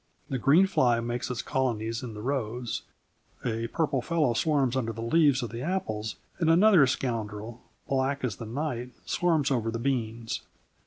The greenfly makes its colonies in the rose, a purple fellow swarms under the leaves of the apples, and another scoundrel, black as the night, swarms over the beans.